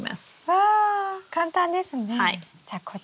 わ簡単ですね。